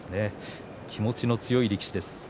気持ちの強い力士です。